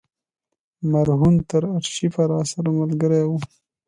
مرهون تر آرشیفه راسره ملګری و.